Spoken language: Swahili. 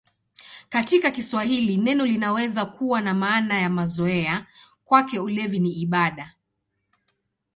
Katika Kiswahili neno linaweza kuwa na maana ya mazoea: "Kwake ulevi ni ibada".